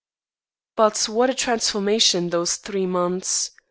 But what a transformation in those three months!